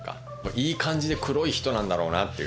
いい感じで黒い人なんだろうなっていう。